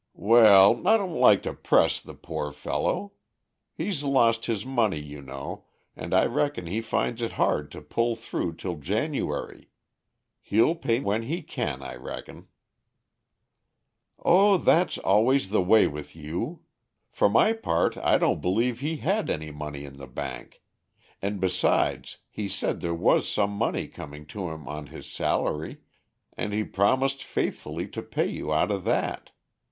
"Well, I don't like to press the poor fellow. He's lost his money you know, and I reckon he finds it hard to pull through till January. He'll pay when he can, I reckon." "O that's always the way with you! For my part I don't believe he had any money in the bank; and besides he said there was some money coming to him on his salary, and he promised faithfully to pay you out of that.